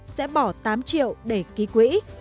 sẽ bỏ tám triệu để ký quỹ